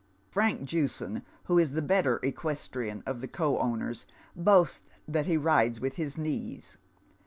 Frank Jewson, who is the better equestrian of the co owners, boasts that he rides with his knees.